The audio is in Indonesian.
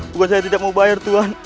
bukan saya tidak mau bayar tuhan